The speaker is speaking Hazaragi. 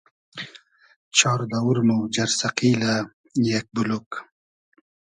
چار دئوور مۉ جئرسئقیلۂ یئگ بولوگ